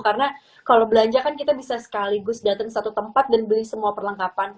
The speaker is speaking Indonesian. karena kalau belanja kan kita bisa sekaligus datang ke satu tempat dan beli semua perlengkapan